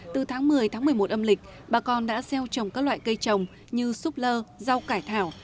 từ tháng một mươi tháng một mươi một âm lịch bà con đã gieo trồng các loại cây trồng như súp lơ rau cải thảo